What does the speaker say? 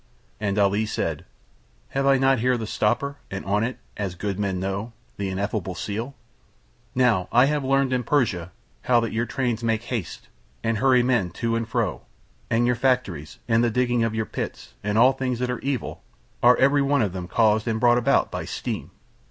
And Ali said: "Have I not here the stopper and on it, as good men know, the ineffable seal? Now I have learned in Persia how that your trains that make the haste, and hurry men to and fro, and your factories and the digging of your pits and all the things that are evil are everyone of them caused and brought about by steam."